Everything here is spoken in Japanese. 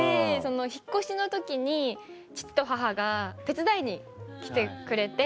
引っ越しの時に父と母が手伝いに来てくれて。